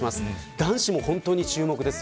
男子も本当に注目です。